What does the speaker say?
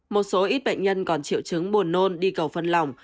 một số ít bệnh nhân còn triệu chứng buồn nôn đi cầu phân lòng